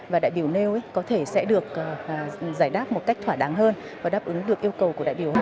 và đại biểu nêu có thể sẽ được giải đáp một cách thỏa đáng hơn và đáp ứng được yêu cầu của đại biểu